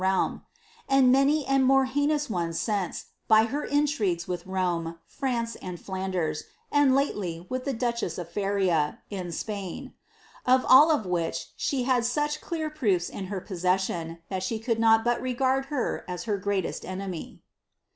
realm ; anii many and more heinous ones sin^p, hy her intri^es Kome, France, and Flatiders, and lately with tlie duchess of Per Spain. — rf all of which she hail such clear proofs in her posaet ihai she coulJ not but rrsard her as her greaiesi enemy."